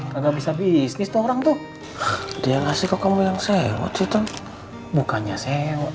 kagak bisa bisnis itu orang tuh dia ngasih kok kamu bilang sewet sih itu bukannya sewet